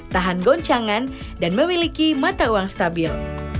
tahan goncangan dan memiliki mata uang stabil